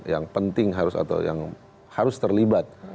yang penting harus atau yang harus terlibat